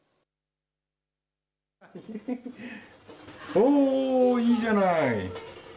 おー、いいじゃない！